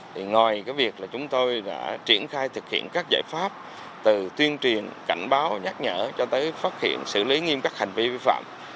thì ngoài cái việc là chúng tôi đã triển khai thực hiện các giải pháp từ tuyên truyền cảnh báo nhắc nhở cho tới phát hiện xử lý nghiêm các hành vi vi phạm